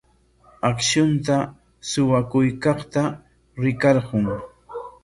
Akshunta suwakuykaqta rikarqun.